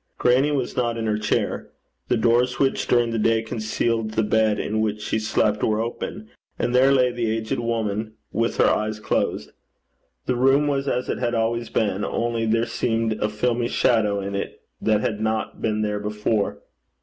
Grannie was not in her chair. The doors which during the day concealed the bed in which she slept, were open, and there lay the aged woman with her eyes closed. The room was as it had always been, only there seemed a filmy shadow in it that had not been there before.